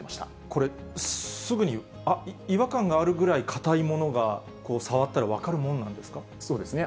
これ、すぐに、あっ、違和感があるぐらい硬いものが、そうですね。